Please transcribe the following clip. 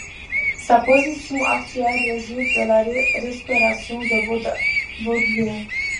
Sa position actuelle résulte de la restauration de Baudouin.